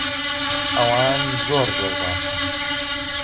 ئەوان زۆر زۆر باشن.